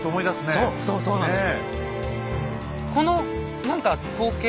そうそうそうなんです。